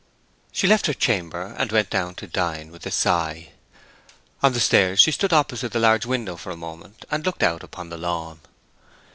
She left her chamber and went down to dine with a sigh. On the stairs she stood opposite the large window for a moment, and looked out upon the lawn.